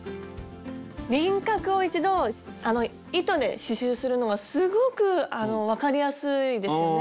輪郭を１度あの糸で刺しゅうするのはすごく分かりやすいですよね。